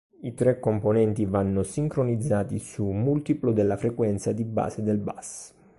I tre componenti vanno sincronizzati su un multiplo della frequenza di base del bus.